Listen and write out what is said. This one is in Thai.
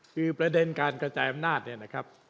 คือประเด็นการกระจายอำนาจเนี่ยนะครับ